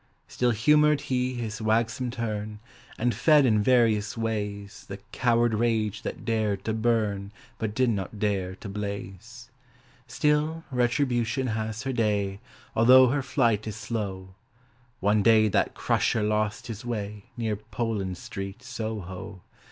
Still humoured he his wagsome turn, And fed in various ways The coward rage that dared to burn But did not dare to blaze. Still, Retribution has her day Although her flight is slow: One day that Crusher lost his way Near Poland Street, Soho.